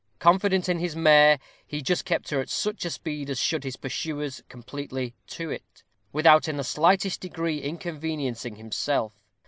Confident in his mare, he just kept her at such speed as should put his pursuers completely to it, without in the slightest degree inconveniencing himself.